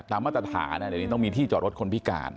ตามมาตรฐานนี้ต้องมีที่จอดรถคนพิการ